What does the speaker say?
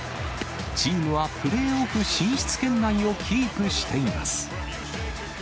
チームはプレーオフ進出圏内をキープしています。